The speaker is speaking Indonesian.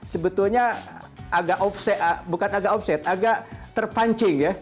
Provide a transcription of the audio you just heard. sebetulnya agak terpancing ya